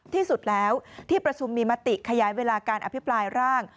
ที่สุดแล้วที่ประชุมมีมติขยายเวลาการอภิปรายร่าง